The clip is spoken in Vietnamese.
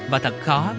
và thật khó